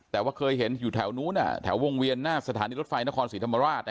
แต่ว่าเคยเห็นอยู่แถวนู้นอ่ะแถววงเวียนหน้าสถานีรถไฟหน้าคอนงสีธรรมราชนะครับ